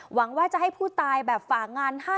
หวังว่าจะให้ผู้ตายแบบฝากงานให้